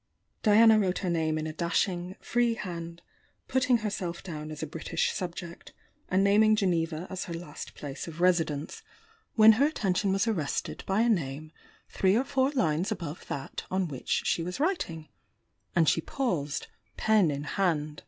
Diana wrote her name in a dashing, free hand, putting herself down as a British subject, and naming Geneva as her last place of readence, THE YOUNG DIANA 881 when her attention was arrested by a name three or four lines above that on which she was writing — and she paused, pen in hand.